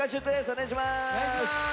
お願いします。